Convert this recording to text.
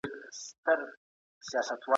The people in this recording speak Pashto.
ناچاپه دي. چاپ سوي آثار، ډېری ئې د علامه رشاد